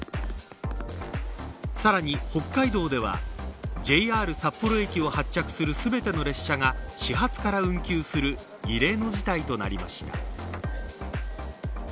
さらに北海道ではＪＲ札幌駅を発着する全ての列車が始発から運休する異例の事態となりました。